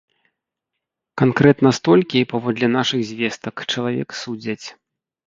Канкрэтна столькі, паводле нашых звестак, чалавек судзяць.